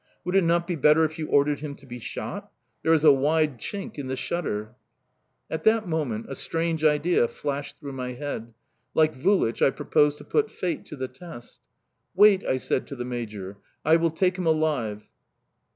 Would it not be better if you ordered him to be shot? There is a wide chink in the shutter." At that moment a strange idea flashed through my head like Vulich I proposed to put fate to the test. "Wait," I said to the major, "I will take him alive."